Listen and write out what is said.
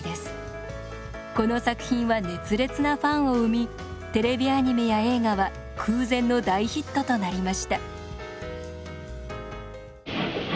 この作品は熱烈なファンを生みテレビアニメや映画は空前の大ヒットとなりました。